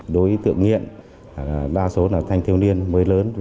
đối tượng nghiện đa số là thanh thiếu niên mới lớn